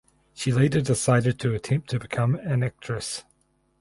She later decided to attempt to become an actress.